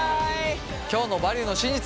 今日の「バリューの真実」